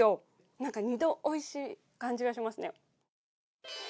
なんか２度おいしい感じがしますね。